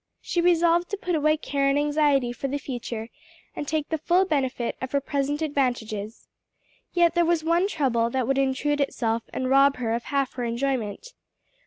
She resolved to put away care and anxiety for the future, and take the full benefit of her present advantages. Yet there was one trouble that would intrude itself and rob her of half her enjoyment.